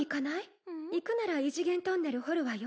行くなら異次元トンネル掘るわよ。